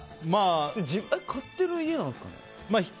買ってる家なんですかね？